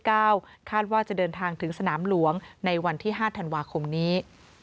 คาดว่าจะเดินทางถึงสนามหลวงในวันที่๕ธันวาคมนี้